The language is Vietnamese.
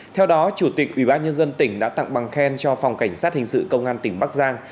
theo đó chủ tịch ubnd tỉnh đã tặng bằng khen cho phòng cảnh sát hình sự công an tỉnh bắc giang